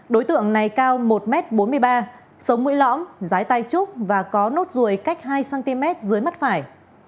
đối tượng này cao một m bốn mươi ba sống mũi lõm rái tay trúc và có nốt ruồi cách hai cm dưới mắt phải